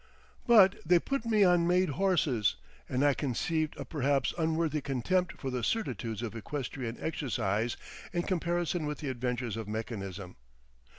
But they put me on made horses, and I conceived a perhaps unworthy contempt for the certitudes of equestrian exercise in comparison with the adventures of mechanism.